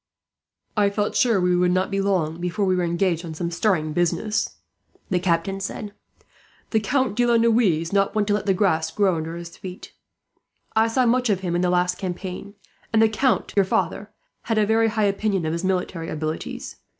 "I felt sure we should not be long before we were engaged on some stirring business," the Captain said. "The Count de la Noue is not one to let the grass grow under his feet. I saw much of him in the last campaign; and the count, your father, had a very high opinion of his military abilities.